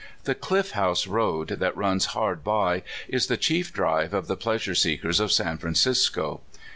The Cliff House road that runs hard by is the chief drive of the pleasure seekers of San Fraji Cisco.